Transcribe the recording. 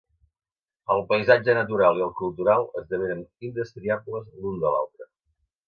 El paisatge natural i el cultural esdevenen indestriables l'un de l'altre.